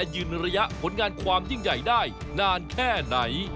ยืนระยะผลงานความยิ่งใหญ่ได้นานแค่ไหน